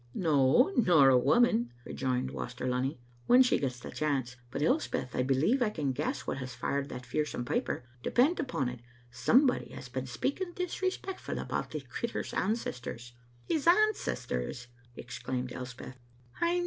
"No, nor a woman," rejoined Waster Lunny, "when she gets the chance. But, Elspeth, I believe I can g^ess what has fired that fearsome piper. Depend upon it, somebody has been speaking disrespectful about the crittur's ancestors." "His ancestors!" exclaimed Elspeth, scornfully.